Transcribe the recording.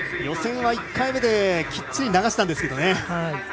予選は１回目できっちり流したんですけどね。